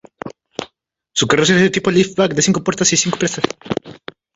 Su carrocería es de tipo liftback de cinco puertas y cinco plazas.